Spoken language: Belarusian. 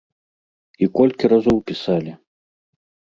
І колькі разоў пісалі.